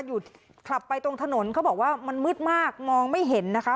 ขับไปตรงถนนเขาบอกว่ามันมืดมากมองไม่เห็นนะคะ